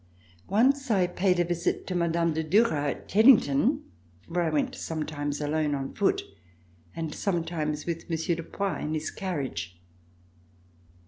Once a week I paid a visit to Mme. de Duras at Teddington where I went sometimes alone on foot and sometimes with Monsieur de Poix in his carriage.